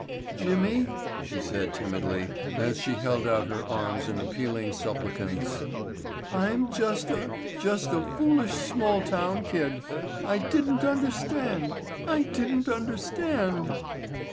"Jimmy," she said timidly, as she held out her arms in appealing suppliance, "I'm just a—just a foolish small town kid. I didn't understand—I didn't understand."